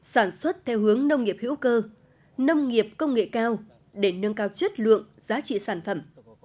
sản xuất theo hướng nông nghiệp hữu cơ nông nghiệp công nghệ cao để nâng cao chất lượng giá trị sản phẩm